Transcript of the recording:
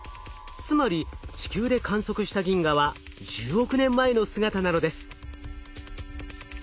つまり地球で観測した銀河は１０億年前の姿なのです。